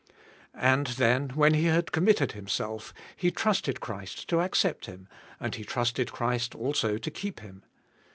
And then when he had com mitted himself, he trusted Christ to accept him, and he trusted Christ, also, to keep him.